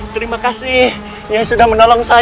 terima kasih yang sudah menolong saya